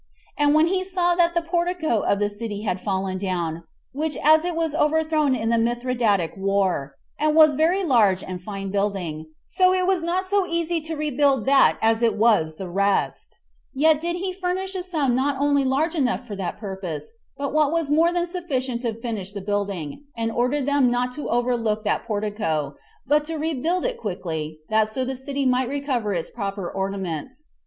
And when he saw that the portico of the city was fallen down, which as it was overthrown in the Mithridatic war, and was very large and fine building, so was it not so easy to rebuild that as it was the rest, yet did he furnish a sum not only large enough for that purpose, but what was more than sufficient to finish the building; and ordered them not to overlook that portico, but to rebuild it quickly, that so the city might recover its proper ornaments.